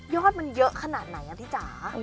อดมันเยอะขนาดไหนพี่จ๋า